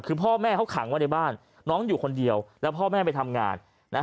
คือพ่อแม่เขาขังไว้ในบ้านน้องอยู่คนเดียวแล้วพ่อแม่ไปทำงาน